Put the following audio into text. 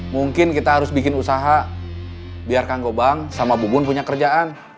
mungkin kita harus bikin usaha biar kang gobang sama bubun punya kerjaan